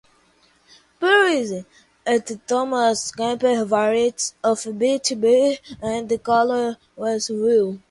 Previously, there were Thomas Kemper varieties of Birch Beer and Cola as well.